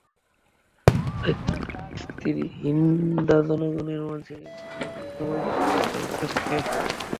তার স্ত্রী হিন্দা জনগণের মাঝে ঘুরে ঘুরে সবাইকে উত্তেজিত করতে থাকে।